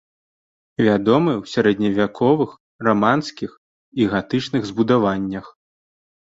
Вядомы ў сярэдневяковых раманскіх і гатычных збудаваннях.